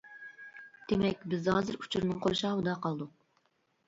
دېمەك، بىز ھازىر ئۇچۇرنىڭ قورشاۋىدا قالدۇق.